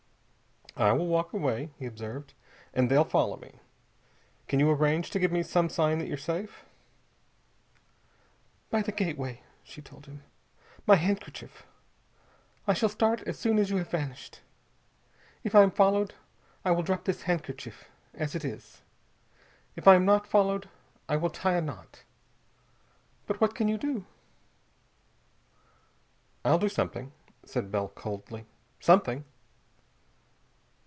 "I will walk away," he observed, "and they'll follow me. Can you arrange to give me some sign that you're safe?" "By the gateway," she told him. "My handkerchief. I shall start as soon as you have vanished. If I am followed, I will drop this handkerchief, as it is. If I am not followed, I will tie a knot. But what can you do?" "I'll do something," said Bell coldly. "Something!"